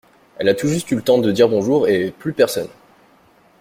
Elle a tout juste eu le temps de dire bonjour, et plus personne!